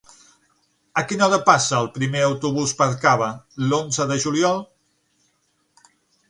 A quina hora passa el primer autobús per Cava l'onze de juliol?